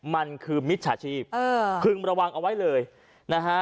มันคือมิจฉาชีพพึงระวังเอาไว้เลยนะฮะ